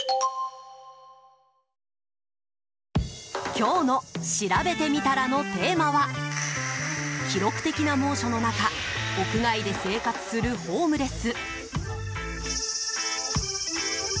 今日のしらべてみたらのテーマは記録的な猛暑の中屋外で生活するホームレス。